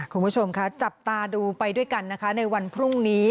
คุณผู้ชมค่ะจับตาดูไปด้วยกันนะคะในวันพรุ่งนี้